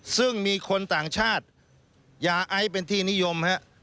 ซึ่งมีคนต่างชาติยาไอเป็นที่นิยมฮะ